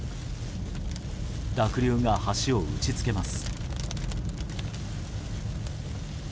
濁流が橋を打ちつけます。